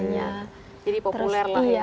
jadi populer lah ya